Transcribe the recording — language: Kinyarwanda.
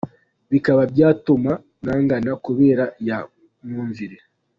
Bikaba byatuma mwangana kubera ya myuvire.